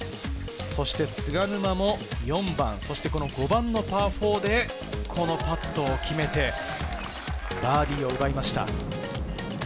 そして菅沼も４番、そしてこの５番のパー４で、このパットを決めてバーディーを奪いました。